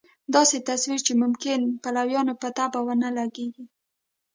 داسې تصویر چې ممکن پلویانو په طبع ونه لګېږي.